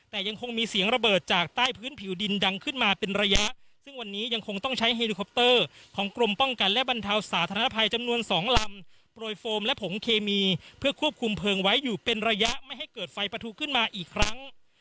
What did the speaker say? แต่ยังคงมีเสียงระเบิดจากใต้พื้นผิวดินดังขึ้นมาเป็นระยะซึ่งวันนี้ยังคงต้องใช้เฮลิคอปเตอร์ของกรมป้องกันและบรรเทาสาธารณภัยจำนวนสองลำโปรยโฟมและผงเคมีเพื่อควบคุมเพลิงไว้อยู่เป็นระยะไม่ให้เกิดไฟประทุขึ้นมาอีกครั้ง